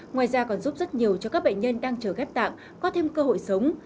ngoài ra còn giúp rất nhiều cho các bệnh nhân đang chờ ghép tạng có thêm cơ hội sống